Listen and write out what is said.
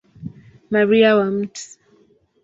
Maria wa Mt.